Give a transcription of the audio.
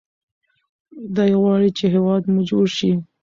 دی غواړي چې هیواد مو جوړ شي.